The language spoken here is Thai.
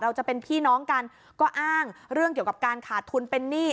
จะเป็นพี่น้องกันก็อ้างเรื่องเกี่ยวกับการขาดทุนเป็นหนี้